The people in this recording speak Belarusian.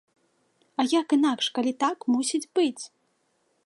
А як інакш, калі так мусіць быць!